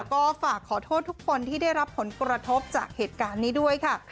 ก็ฝากขอโทษทุกคนที่ได้รับผลกระทบจากเหตุการณ์นี้ด้วยค่ะ